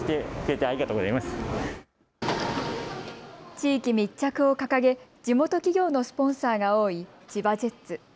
地域密着を掲げ、地元企業のスポンサーが多い千葉ジェッツ。